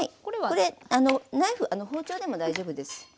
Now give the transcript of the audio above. これナイフ包丁でも大丈夫です。